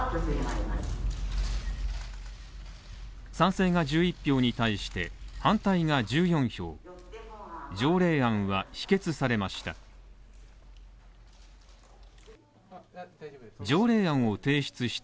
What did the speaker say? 賛成が１１票に対して、反対が１４票、条例案は否決されました。